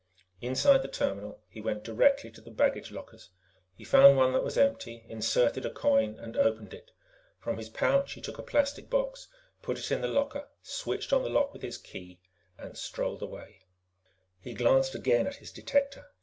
Inside the terminal, he went directly to the baggage lockers. He found one that was empty, inserted a coin, and opened it. From his pouch, he took a plastic box, put it in the locker, switched on the lock with his key, and strolled away. He glanced again at his detector.